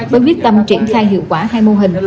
với quyết tâm triển khai hiệu quả hai mô hình